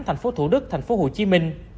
thành phố thủ đức thành phố hồ chí minh